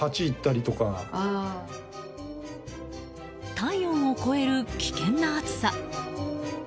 体温を超える危険な暑さ。